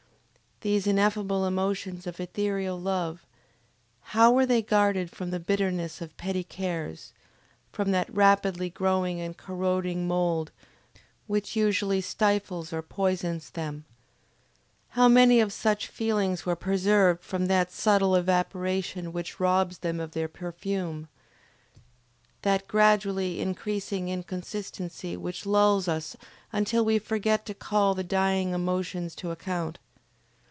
These ineffable emotions of ethereal love, how were they guarded from the bitterness of petty cares, from that rapidly growing and corroding mould which usually stifles or poisons them? How many of such feelings were preserved from that subtle evaporation which robs them of their perfume, that gradually increasing inconstancy which lulls us until we forget to call the dying emotions to account?